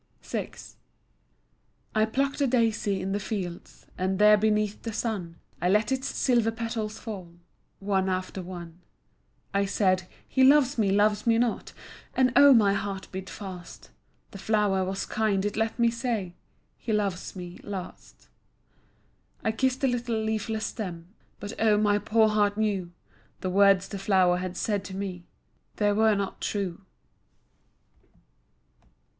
VI I plucked a daisy in the fields, And there beneath the sun I let its silver petals fall One after one. I said, "He loves me, loves me not," And oh, my heart beat fast, The flower was kind, it let me say "He loves me," last. I kissed the little leafless stem, But oh, my poor heart knew The words the flower had said to me, They were not true.